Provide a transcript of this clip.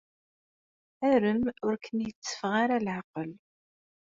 Arem ur kem-yetteffeɣ ara leɛqel.